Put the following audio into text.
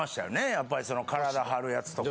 やっぱり体張るやつとか。